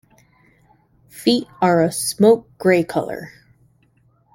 Feet are a smoke grey color.